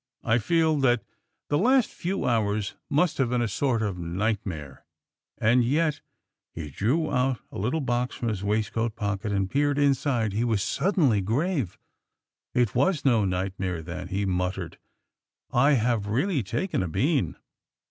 I feel that the last few hours must have been a sort of nightmare, and yet " He drew out a little box from his waistcoat pocket and peered inside. He was suddenly grave. "It was no nightmare, then," he muttered. "I have really taken a bean."